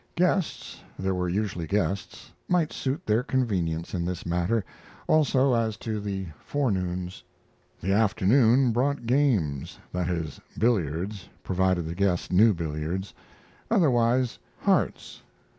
Guests there were usually guests might suit their convenience in this matter also as to the forenoons. The afternoon brought games that is, billiards, provided the guest knew billiards, otherwise hearts.